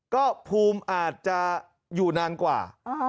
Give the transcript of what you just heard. ก็ภูมิอาจจะอยู่นานกว่า